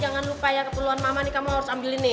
jangan lupa ya keperluan mama nih kamu harus ambil ini